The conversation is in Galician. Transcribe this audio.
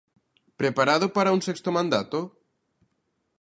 Preparado para un sexto mandato?